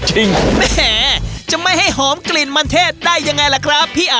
แหมจะไม่ให้หอมกลิ่นมันเทศได้ยังไงล่ะครับพี่อา